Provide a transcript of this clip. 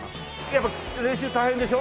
やっぱ練習大変でしょ？